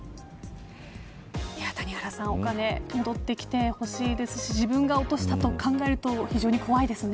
谷原さんお金戻ってきてほしいですし自分が落としたと考えると非常に怖いですね。